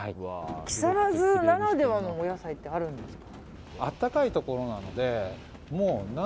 木更津ならではのお野菜ってあるんですか。